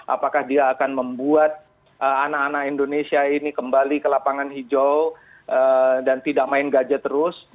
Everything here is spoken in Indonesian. apakah dia akan membuat anak anak indonesia ini kembali ke lapangan hijau dan tidak main gajah terus